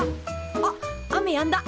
あっ雨やんだ。